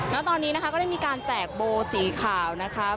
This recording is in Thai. แล้วตอนนี้นะคะก็ได้มีการแจกโบสีขาวนะคะ